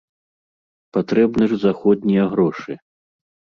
Патрэбны ж заходнія грошы.